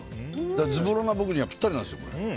ずぼらな僕にはぴったりなんです。